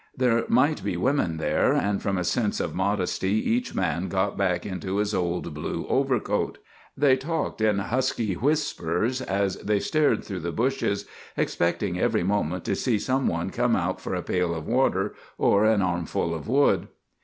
There might be women there, and from a sense of modesty each man got back into his old blue overcoat. They talked in husky whispers as they stared through the bushes, expecting every moment to see some one come out for a pail of water or an armful of wood.